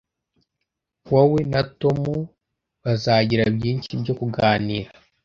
Wowe na Tom bazagira byinshi byo kuganira